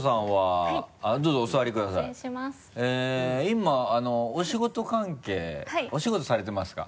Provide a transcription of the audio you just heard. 今お仕事関係お仕事されてますか？